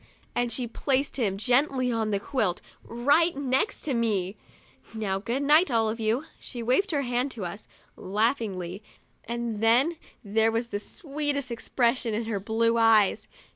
and she placed him gently on the quilt, right next to ME. " Now, good night, all of you!' She waved her hand to us, laughingly, and then there was the sweetest expression in her blue eyes.